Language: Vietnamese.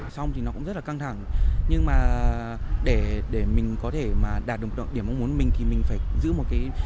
xong thì nó cũng rất là căng thẳng nhưng mà để mình có thể mà đạt được điểm mong muốn mình thì mình phải giữ một cái